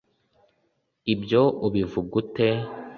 Ibyo ubivuga ute